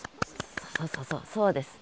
そうそうそうそうです。